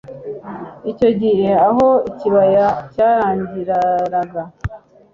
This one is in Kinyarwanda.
Icyo gihe aho ikibaya cyarangiriraga